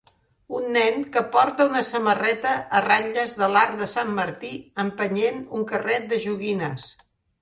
Un nen que porta una samarreta a ratlles de l'arc de Sant Martí empenyent un carret de joguines